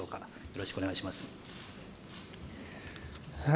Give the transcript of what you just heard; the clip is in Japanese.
よろしくお願いします。